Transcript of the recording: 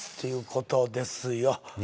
いうことですよ。